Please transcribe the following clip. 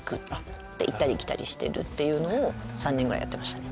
行ったり来たりしてるっていうの３年ぐらいやってましたね。